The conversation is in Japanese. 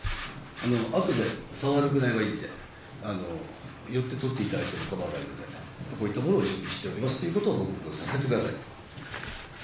あとで触るぐらいはいいんで、寄ってとっていただいてもいいので、こういったものを準備しておりますということをご報告させてください。